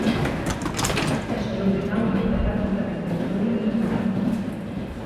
É soluble en auga e practicamente insoluble en metanol.